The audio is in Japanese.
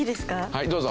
はいどうぞ。